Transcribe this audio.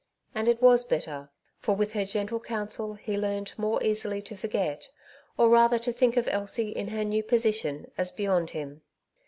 And it was better, for with her gentle counsel he learnt more easily to forget, or rather to think of Elsie in her new position as beyond him.